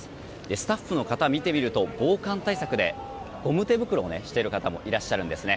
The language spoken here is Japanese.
スタッフの方を見てみると防寒対策でゴム手袋をしている方もいらっしゃるんですね。